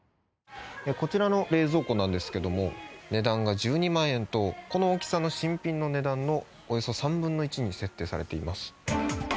こちらの冷蔵庫ですが値段が１２万円とこの大きさの新品の値段のおよそ３分の１に設定されています。